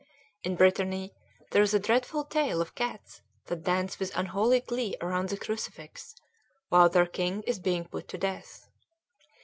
In Brittany there is a dreadful tale of cats that dance with unholy glee around the crucifix while their King is being put to death.